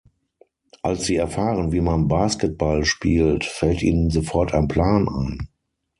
Als sie erfahren, wie man Basketball spielt, fällt ihnen sofort ein Plan ein.